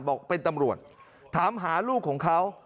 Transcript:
บอกเป็นตำรวจถามหาลูกของเขา